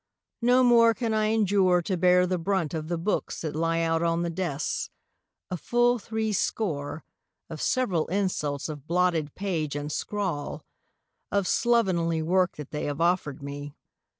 No more can I endure to bear the brunt Of the books that lie out on the desks: a full three score Of several insults of blotted page and scrawl Of slovenly work that they have offered me.